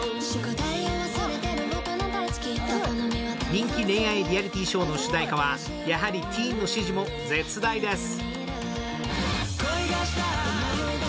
人気恋愛リアリティーショーの主題歌は、やはりティーンの支持も絶大です。